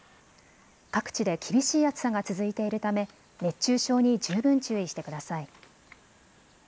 各地で厳しい暑さが続いているため、熱中症に十分注意してください。